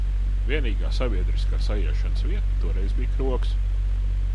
Vienīgā sabiedriskā saiešanas vieta toreiz bija krogs.